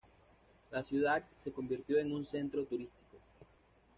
La ciudad se convirtió en un centro turístico.